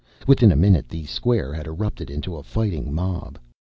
Within a minute the square had erupted into a fighting mob.